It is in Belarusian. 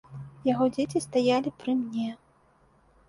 Яго дзеці стаялі пры мне.